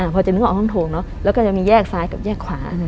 พอจะนึกว่าเอาห้องโถงแล้วก็จะมีแยกซ้ายกับแยกขวา